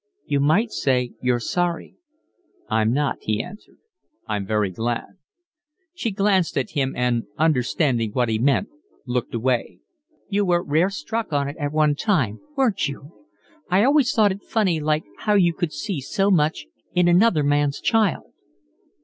"You might say you're sorry." "I'm not," he answered, "I'm very glad." She glanced at him and, understanding what he meant, looked away "You were rare stuck on it at one time, weren't you? I always thought it funny like how you could see so much in another man's child."